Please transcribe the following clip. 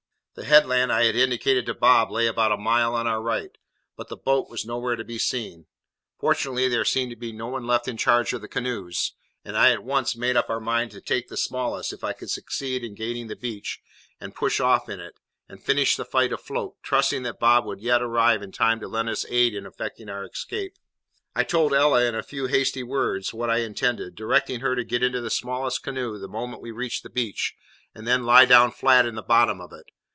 The headland I had indicated to Bob lay about a mile on our right; but the boat was nowhere to be seen. Fortunately there seemed to be no one left in charge of the canoes, and I at once made up my mind to take the smallest (if I could succeed in gaining the beach), and push off in it, and finish the fight afloat, trusting that Bob would yet arrive in time to lend us his aid in effecting our escape. I told Ella, in a few hasty words, what I intended, directing her to get into the smallest canoe the moment we reached the beach, and then lie down flat in the bottom of it.